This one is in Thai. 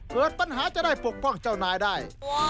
เกิดปัญหาจะได้ปกป้องเจ้านายได้